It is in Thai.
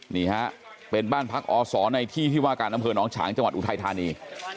นี่ฮะเป็นบ้านพักอศในที่ที่ว่าการอำเภอหนองฉางจังหวัดอุทัยธานี